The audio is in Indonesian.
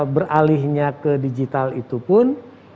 beralihnya ke digital itu pun